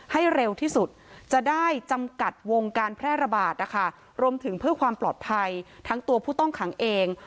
ให้เร็วที่สุดจะได้จำกัดวงการแพร่ระบาดนะคะรวมถึงเพื่อความปลอดภัยทั้งตัวผู้ต้องขังเอง